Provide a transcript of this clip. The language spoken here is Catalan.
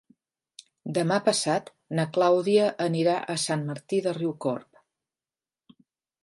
Demà passat na Clàudia anirà a Sant Martí de Riucorb.